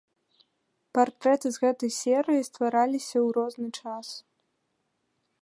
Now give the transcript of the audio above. Партрэты з гэтай серыі ствараліся ў розны час.